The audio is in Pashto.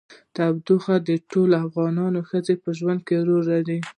تودوخه د ټولو افغان ښځو په ژوند کې رول لري.